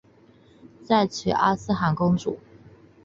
再娶阿剌罕公主。